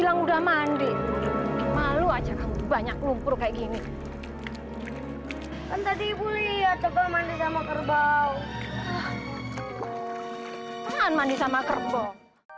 hai dan tadi ibu lihat toko mandi sama kerbau manis sama kerbau